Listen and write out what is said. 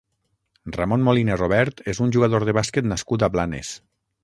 Ramón Moliné Robert és un jugador de bàsquet nascut a Blanes.